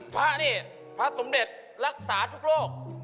พระนี่พระสมเด็จรักษาทุกโรค